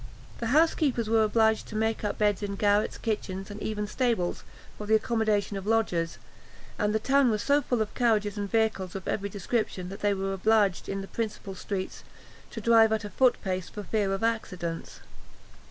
The housekeepers were obliged to make up beds in garrets, kitchens, and even stables, for the accommodation of lodgers; and the town was so full of carriages and vehicles of every description, that they were obliged, in the principal streets, to drive at a foot pace for fear of accidents.